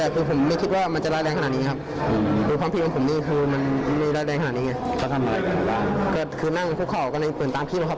เป็นสายางแก๊สครับฟาดครับ